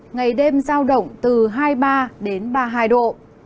ngày đêm giao động từ hai mươi ba đến ba mươi hai độ